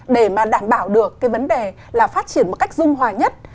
để mà đảm bảo được cái vấn đề là phát triển một cách dung hòa nhất